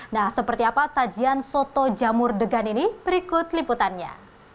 nah seperti apa sajian soto jamur degan ini berikut liputannya